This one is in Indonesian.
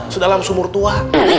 sedalam sumur tua